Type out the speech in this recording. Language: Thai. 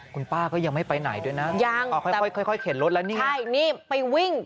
คุณป้าก็ยังไม่ไปไหนด้วยนะยังค่อยค่อยเข็นรถแล้วนี่ใช่นี่ไปวิ่ง